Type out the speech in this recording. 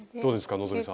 希さん。